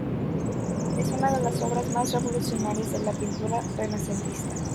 Es una de las obras más revolucionarias de la pintura renacentista.